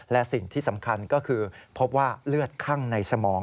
และสิ่งที่สำคัญก็คือพบว่าเลือดคั่งในสมอง